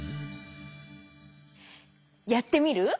やってみる？